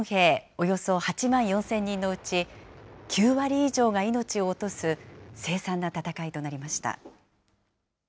およそ８万４０００人のうち、９割以上が命を落とす凄惨な戦いとなりました。